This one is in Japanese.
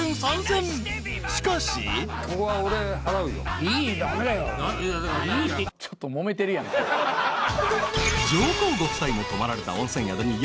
［しかし］［上皇ご夫妻も泊まられた温泉宿に４人で］